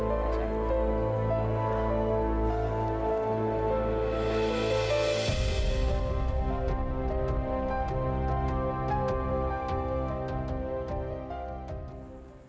gak akan menyakiti ya hanifah